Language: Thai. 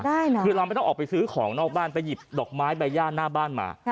คือเราไม่ต้องออกไปซื้อของนอกบ้านไปหยิบดอกไม้ใบย่าหน้าบ้านมา